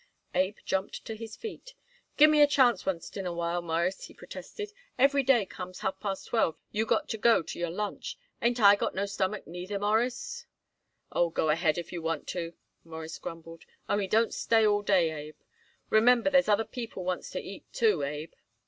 Abe jumped to his feet. "Give me a chance oncet in a while, Mawruss," he protested. "Every day comes half past twelve you got to go to your lunch. Ain't I got no stomach, neither, Mawruss?" "Oh, go ahead if you want to," Morris grumbled, "only don't stay all day, Abe. Remember there's other people wants to eat, too, Abe."